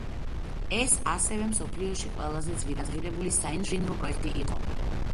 ეს ასევე მსოფლიოში ყველაზე ძვირადღირებული საინჟინრო პროექტი იყო.